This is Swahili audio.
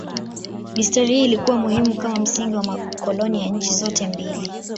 Mistari hii ilikuwa muhimu kama msingi wa makoloni ya nchi zote mbili.